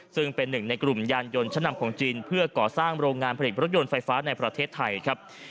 ซึ่งเป็นหนึ่งในกลุ่มยานยนต์ชั้นนำของจีนเพื่อก่อสร้างโรงงานผลิตรถยนต์ไฟฟ้าในประเทศไทยครับ